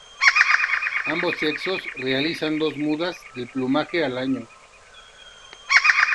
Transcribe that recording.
Ambos sexos realizan dos mudas del plumaje al año.